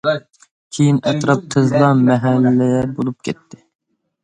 كېيىن ئەتراپ تېزلا مەھەللە بولۇپ كەتتى.